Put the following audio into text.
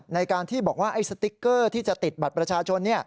ในการที่บอกว่าไอ้สติ๊กเกอร์ที่จะติดบัตรประชาชน